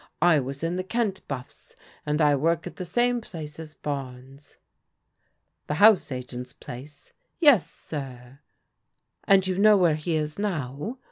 I was in the Kent BuflFs, and I work at the same place as Barnes." " The house agent's place ?"" Yes, sir." "And you know where he is now?"